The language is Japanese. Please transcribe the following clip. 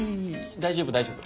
大丈夫大丈夫。